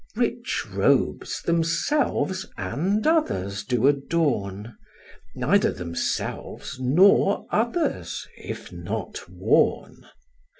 Rich robes themselves and others do adorn; Neither themselves nor others, if not worn.